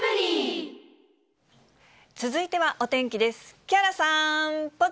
続いてはお天気です。